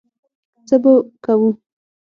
څه به کوو.